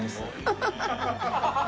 ハハハハ！